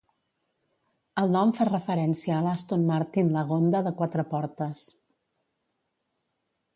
El nom fa referència al Aston Martin Lagonda de quatre portes.